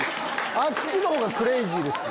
あっちのほうがクレイジーですよ。